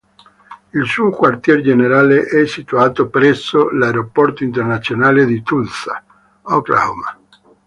Il suo quartier generale è situato presso la Aeroporto Internazionale di Tulsa, Oklahoma.